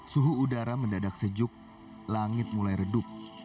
suhu udara mendadak sejuk langit mulai redup